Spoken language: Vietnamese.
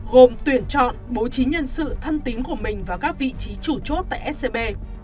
gồm tuyển chọn bố trí nhân sự thân tính của mình vào các vị trí chủ chốt tại scb